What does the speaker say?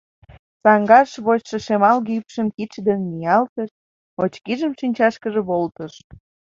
Саҥгаш вочшо шемалге ӱпшым кидше дене ниялтыш, очкижым шинчашкыже волтыш.